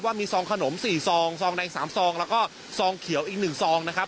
ว่ามีซองขนมสี่ซองซองแดงสามซองแล้วก็ซองเขียวอีกหนึ่งซองนะครับ